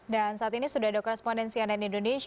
dan saat ini sudah ada korespondensi ann indonesia